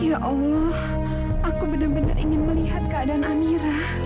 ya allah aku benar benar ingin melihat keadaan amira